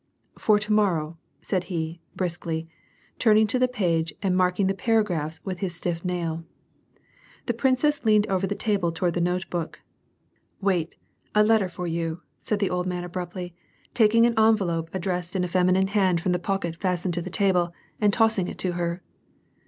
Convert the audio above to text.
" For to morrow," said he, briskly, turning to the page, and marking the paragraphs with his stiff nail. The princess leaned over the table toward the note book. Wait, a letter for yon," said the old man abruptly, taking an envelope ad dressed in a feminine hand from the pocket fastened to the table and tossing it to her.